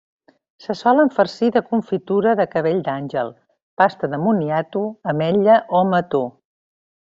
Se solen farcir de confitura de cabell d'àngel, pasta de moniato, ametlla o mató.